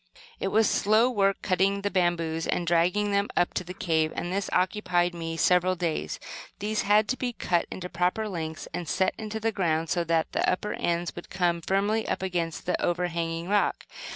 It was slow work cutting the bamboos and dragging them up to the cave, and this occupied me several days. These had to be cut into the proper lengths, and set into the ground, so that the upper ends would come firmly up against the overhanging rock.